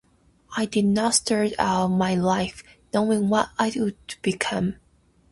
I did not start out my life knowing what I would become.